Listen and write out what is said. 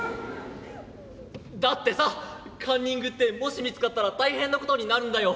「だってさカンニングってもし見つかったら大変なことになるんだよ。